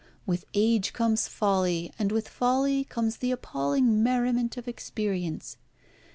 With age comes folly, and with folly comes the appalling merriment of experience.